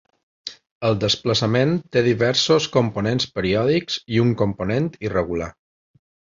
El desplaçament té diversos components periòdics i un component irregular.